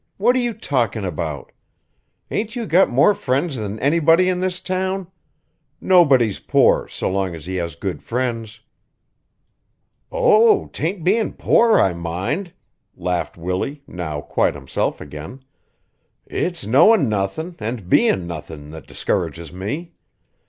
What are you talkin' about? Ain't you got more friends than anybody in this town? Nobody's poor so long as he has good friends." "Oh, 'taint bein' poor I mind," laughed Willie, now quite himself again. "It's knowin' nothin' an' bein' nothin' that discourages me.